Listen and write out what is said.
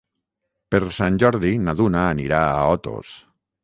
Per Sant Jordi na Duna anirà a Otos.